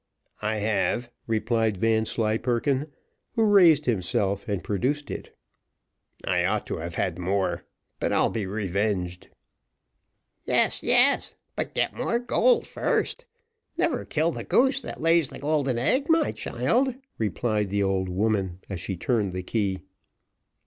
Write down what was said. "I have," replied Vanslyperken, who raised himself and produced it. "I ought to have had more, but I'll be revenged." "Yes, yes, but get more gold first. Never kill the goose that lays the golden egg, my child," replied the old woman, as she turned the key.